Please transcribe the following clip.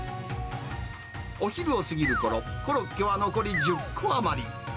お昼を過ぎるころ、コロッケは残り１０個余り。